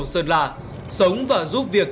sơn lạ sống và giúp việc